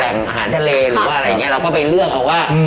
แต่งอาหารทะเลหรือว่าอะไรอย่างนี้เราก็ไปเลือกเอาว่า